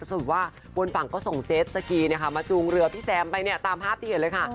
สรุปว่าบนฝั่งก็ส่งเจสสกีมาจูงเรือพี่แซมไปเนี่ยตามภาพที่เห็นเลยค่ะ